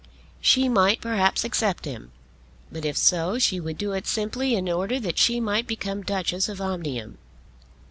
She might perhaps accept him, but if so, she would do it simply in order that she might become Duchess of Omnium.